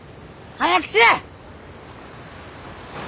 早くしれ！